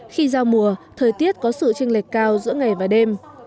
khi giao mùa thời tiết có sự tranh lệch cao giữa ngày và đêm